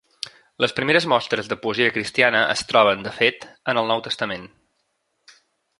Les primeres mostres de poesia cristiana es troben, de fet, en el Nou Testament.